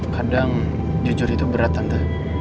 kadang jujur itu berat anda